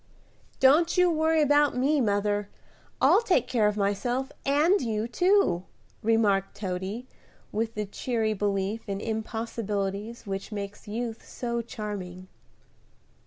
"Don't you worry about me, mother; I'll take care of myself and you too," remarked Toady, with the cheery belief in impossibilities which makes youth so charming.